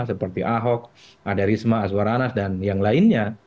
seperti ahok adarisma aswaranas dan yang lainnya